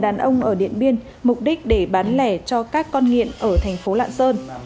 đàn ông ở điện biên mục đích để bán lẻ cho các con nghiện ở tp lạng sơn